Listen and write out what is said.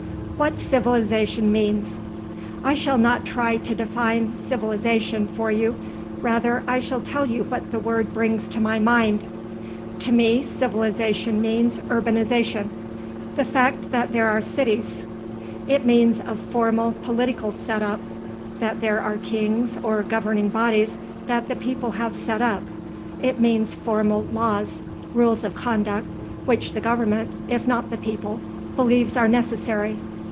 WHAT "CIVILIZATION" MEANS I shall not try to define "civilization" for you; rather, I shall tell you what the word brings to my mind. To me civilization means urbanization: the fact that there are cities. It means a formal political set up that there are kings or governing bodies that the people have set up. It means formal laws rules of conduct which the government (if not the people) believes are necessary.